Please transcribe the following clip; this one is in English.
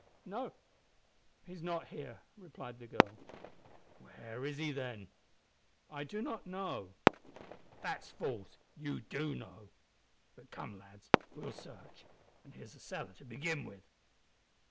"No, he is not here," replied the girl. "Where is he, then?" "I do not know." "That's false, you do know. But come, lads, we'll sarch, and here's a cellar to begin with."